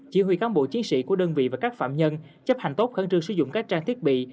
chỉ huy cán bộ chiến sĩ của đơn vị và các phạm nhân chấp hành tốt khẩn trương sử dụng các trang thiết bị